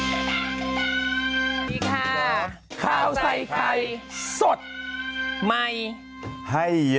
อันนี้คือข้าวใส่ไข่สดใหม่ใหญ่เยอะ